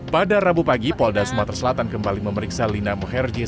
pada rabu pagi polda sumatera selatan kembali memeriksa lina muherje